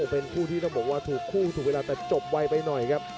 เป็นคู่ที่ต้องบอกว่าถูกคู่ถูกเวลาแต่จบไวไปหน่อยครับ